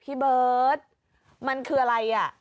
พี่เบิร์ตมันคืออะไรอ่ะ